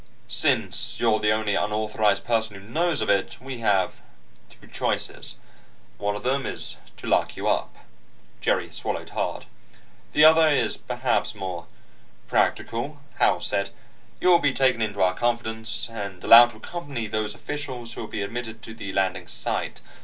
Since you're the only unauthorized person who knows of it, we have two choices. One of them is to lock you up." Jerry swallowed hard. "The other is perhaps more practical," Howells said. "You'll be taken into our confidence, and allowed to accompany those officials who will be admitted to the landing site.